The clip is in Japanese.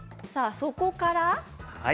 そこから。